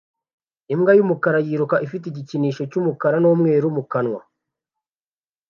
Imbwa y'umukara yiruka ifite igikinisho cy'umukara n'umweru mu kanwa